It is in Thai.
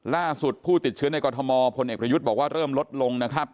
ผู้ติดเชื้อในกรทมพลเอกประยุทธ์บอกว่าเริ่มลดลงนะครับ